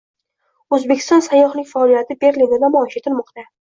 O‘zbekiston sayyohlik salohiyati Berlinda namoyish etilmoqda